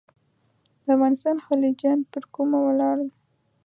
د افغانستان خلجیان پر کومه ولاړل.